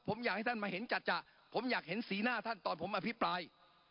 ผมอยากให้ท่านมาเห็นจัดผมอยากเห็นสีหน้าท่านตอนผมอภิปราย